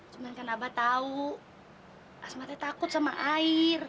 cuma karena abah tahu asmatnya takut sama air